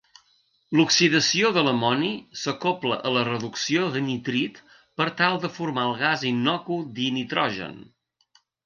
L'oxidació de l'amoni s'acobla a la reducció de nitrit per tal de formar el gas innocu dinitrogen.